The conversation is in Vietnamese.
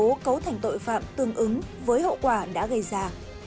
nhiều bố cấu thành tội phạm tương ứng với hậu quả đã gây ra